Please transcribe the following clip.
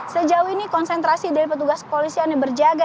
sejauh ini konsentrasi dari arah puncak menuju ke arah puncak menuju ke arah puncak